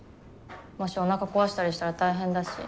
もしおなか壊したりしたら大変だし。